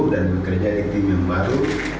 dan bekerja di tim yang baru